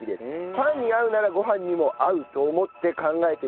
パンに合うならご飯にも合うと思って考えてみました。